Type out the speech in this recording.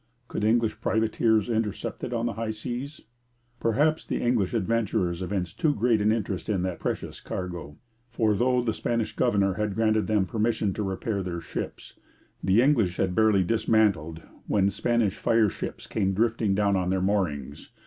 Could English privateers intercept it on the high seas? Perhaps the English adventurers evinced too great interest in that precious cargo; for though the Spanish governor had granted them permission to repair their ships, the English had barely dismantled when Spanish fire ships came drifting down on their moorings.